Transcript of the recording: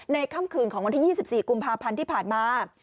ค่ำคืนของวันที่๒๔กุมภาพันธ์ที่ผ่านมา